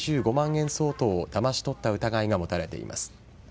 円相当をだまし取った疑いが持たれています。